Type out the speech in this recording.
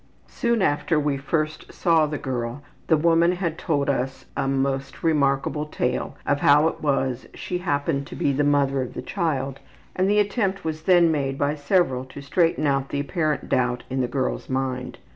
Soon after we first saw the girl the woman had told us a most remarkable tale of how it was she happened to be the mother of the child, and the attempt was then made by several to straighten out the apparent doubt in the girl's mind.